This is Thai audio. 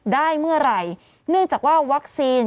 ได้เมื่อไหร่เนื่องจากว่าวัคซีน